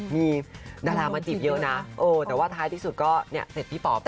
มีดารามาจีบเยอะนะแต่ว่าท้ายที่สุดก็เนี่ยเสร็จพี่ป๋อไป